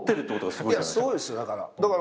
すごいですよだから。